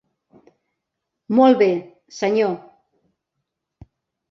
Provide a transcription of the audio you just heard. Molt bé, Senyor.